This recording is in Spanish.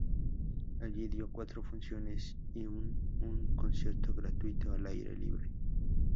Allí dio cuatro funciones, y un un concierto gratuito al aire libre.